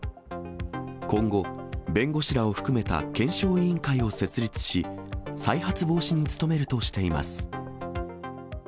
今後、弁護士らを含めた検証委員会を設立し、再発防止に努めるとしています。